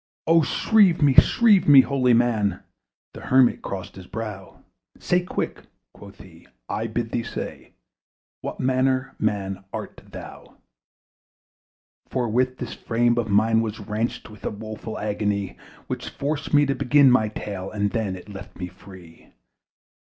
"O shrieve me, shrieve me, holy man!" The Hermit crossed his brow. "Say quick," quoth he, "I bid thee say What manner of man art thou?" Forthwith this frame of mine was wrenched With a woeful agony, Which forced me to begin my tale; And then it left me free.